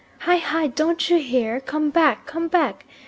"Hi, hi, don't you hear? come back, come back.